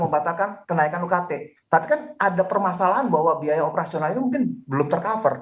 membatalkan kenaikan ukt tapi kan ada permasalahan bahwa biaya operasional itu mungkin belum tercover